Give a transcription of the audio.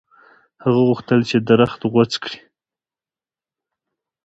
هغه غوښتل چې درخت غوڅ کړي.